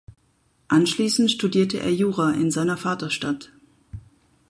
Anschließend studierte er Jura in seiner Vaterstadt.